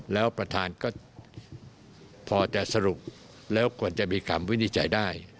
แล้วประธานก็พอจะสรุปแล้วควรจะมีคำวินิจฉัยได้